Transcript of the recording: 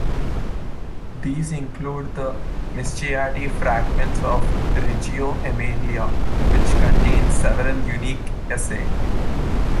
These include the Mischiati fragments of Reggio Emilia, which contain several unique cacce.